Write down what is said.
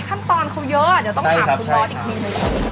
ขั้นตอนเขาเยอะอ่ะเดี๋ยวต้องถามคุณรอดอีกทีเลยนะครับใช่